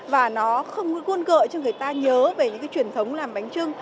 và nó không có cuốn gợi cho người ta nhớ về những cái truyền thống làm bánh trưng